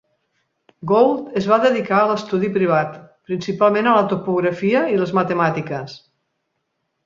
Gould es va dedicar a l'estudi privat, principalment a la topografia i les matemàtiques.